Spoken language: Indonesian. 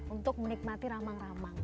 untuk menikmati ramang ramang